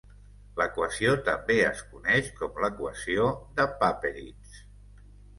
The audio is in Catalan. L'equació també es coneix com l'equació de Papperitz.